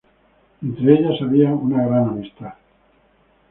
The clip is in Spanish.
Entre ellas había una gran amistad.